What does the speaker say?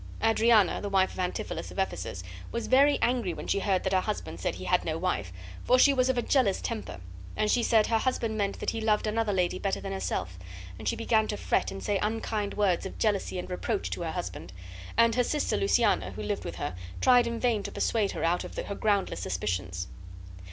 Adriana, the wife of Antipholus of Ephesus, was very angry when she heard that her husband said he had no wife; for she was of a jealous temper, and she said her husband meant that he loved another lady better than herself; and she began to fret, and say unkind words of jealousy and reproach of her husband; and her sister Luciana, who lived with her, tried in vain to persuade her out of her groundless suspicions.